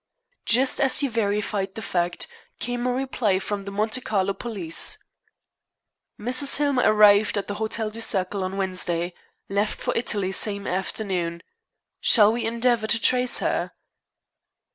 Just as he verified the fact, came a reply from the Monte Carlo police: "Mrs. Hillmer arrived at the Hotel du Cercle on Wednesday. Left for Italy same afternoon. Shall we endeavor to trace her?"